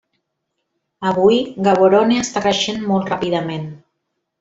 Avui Gaborone està creixent molt ràpidament.